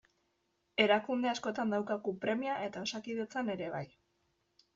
Erakunde askotan daukagu premia eta Osakidetzan ere bai.